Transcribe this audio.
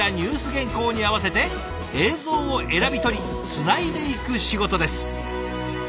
原稿に合わせて映像を選び取りつないでいく仕事です。